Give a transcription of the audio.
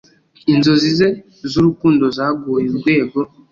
inzozi ze z'urukundo zaguye urwego